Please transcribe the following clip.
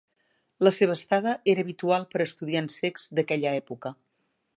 La seva estada era habitual per a estudiants cecs d'aquella època.